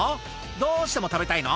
「どうしても食べたいの？」